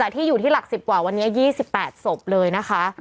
แต่ที่อยู่ที่หลัก๑๐กว่าวันนี้๒๘ศพเลยนะคะ